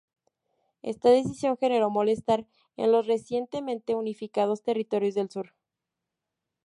Esta decisión generó malestar en los recientemente unificados territorios del sur.